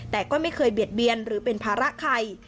แต่ก็ไม่เคยเบียดเบียนหรือเป็นภาระใคร